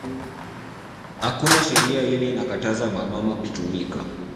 Akuna sheria ile ina kataza ba mama ku tumika